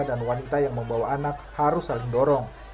dan wanita yang membawa anak harus saling dorong